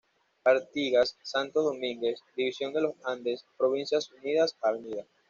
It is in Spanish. Artigas, Santos Domínguez, División de los Andes, Provincias Unidas, Av.